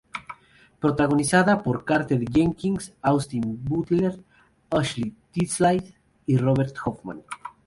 Protagonizada por Carter Jenkins, Austin Butler, Ashley Tisdale y Robert Hoffman.